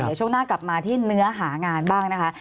เดี๋ยวช่วงหน้ากลับมาที่เนื้อหางานบ้างนะคะ